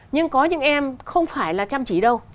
nhưng có những em không phải là chăm chỉ đâu